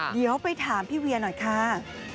เดี๋ยวไปถามพี่เวียหน่อยค่ะ